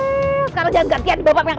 sekarang jangan gantian babak yang rewel deh